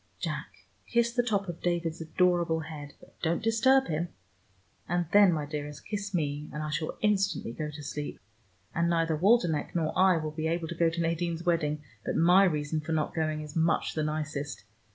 Jack, kiss the top of David's adorable head, but don't disturb him. And then, my dearest, kiss me, and I shall instantly go to sleep. And neither Waldenech nor I will be able to go to Nadine's wedding, but my reason for not going is much the nicest.